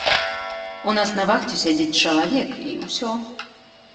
У нас на вахце сядзіць чалавек, і ўсё.